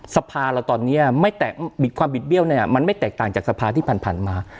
สภาเราตอนนี้ความบิดเบี้ยวเนี่ยมันไม่แตกต่างจากสภาที่ผ่านมา